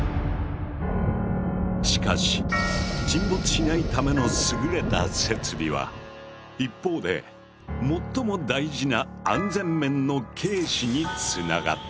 しかし沈没しないための優れた設備は一方で最も大事な安全面の軽視につながった。